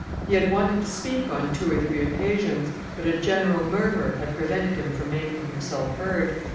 He had wanted to speak on two or three occasions, but a general murmur had prevented him from making himself heard.